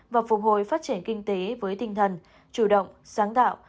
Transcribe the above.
và phục hồi phát triển kinh tế với tinh thần chủ động sáng tạo